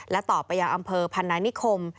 ต่อไปยังอำเภอพันนานิคม